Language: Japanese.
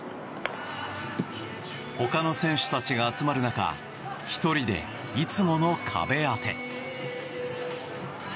他の選手たちが集まる中１人で、いつもの壁当て。